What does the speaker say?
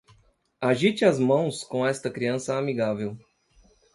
Agite as mãos com esta criança amigável.